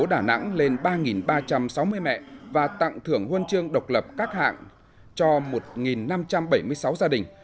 độc lập các hạng cho một năm trăm bảy mươi sáu gia đình